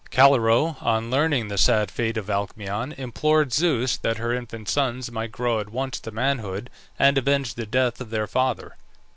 Calirrhoe, on learning the sad fate of Alcmaeon, implored Zeus that her infant sons might grow at once to manhood, and avenge the death of their father.